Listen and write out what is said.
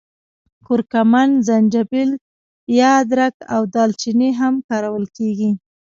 کورکمن، زنجبیل یا ادرک او دال چیني هم کارول کېږي.